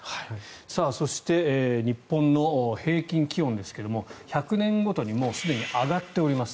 そして日本の平均気温ですけども１００年ごとにもうすでに上がっております。